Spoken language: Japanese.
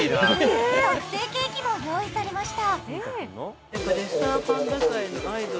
特製ケーキも用意されました。